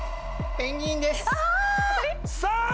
ペンギンです。